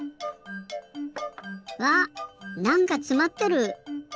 わっなんかつまってる！